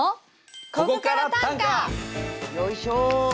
よいしょ！